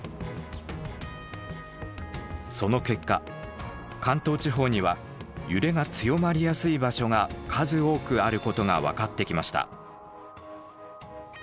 その結果関東地方には揺れが強まりやすい場所が数多くあることが分かってきました。